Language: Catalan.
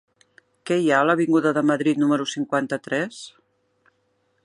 Què hi ha a l'avinguda de Madrid número cinquanta-tres?